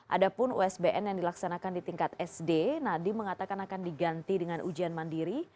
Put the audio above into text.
ada pun usbn yang dilaksanakan di tingkat sd nadiem mengatakan akan diganti dengan ujian mandiri